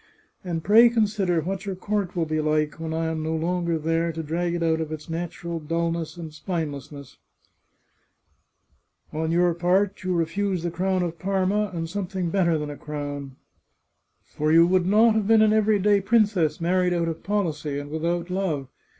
And pray consider what your court will be like when I am no longer there to drag it out of its natural dulness and spitefulness !" 505 The Chartreuse of Parma " On your part, you refuse the crown of Parma, and something better than a crown. For you would not have been an every day princess, married out of policy, and with out love.